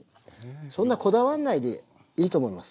そんなこだわんないでいいと思います。